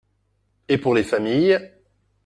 Et pour les familles